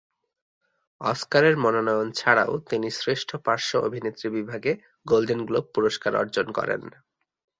অস্কারের মনোনয়ন ছাড়াও তিনি শ্রেষ্ঠ পার্শ্ব অভিনেত্রী বিভাগে গোল্ডেন গ্লোব পুরস্কার অর্জন করেন।